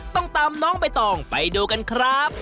ต้องตามน้องใบตองไปดูกันครับ